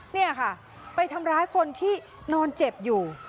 นี่ค่ะไปทำร้ายคนที่นอนเจ็บอยู่